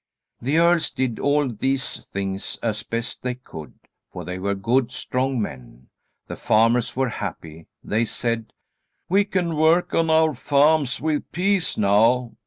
The earls did all these things as best they could; for they were good strong men. The farmers were happy. They said: "We can work on our farms with peace now.